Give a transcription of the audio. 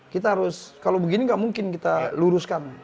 kita harus kalau begini nggak mungkin kita luruskan